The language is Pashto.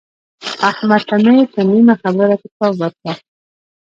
احمد ته مې په نیمه خبره کتاب ورکړ.